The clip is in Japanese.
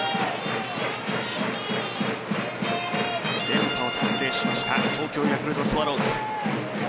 連覇を達成しました東京ヤクルトスワローズ。